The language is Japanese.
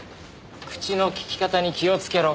口の利き方に気をつけろ。